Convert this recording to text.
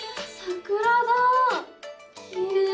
きれい。